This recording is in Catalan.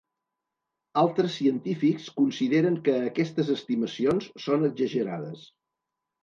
Altres científics consideren que aquestes estimacions són exagerades.